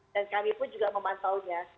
dan kami pun juga memantaunya